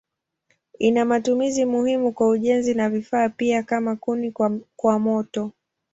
Ina matumizi muhimu kwa ujenzi na vifaa pia kama kuni kwa moto.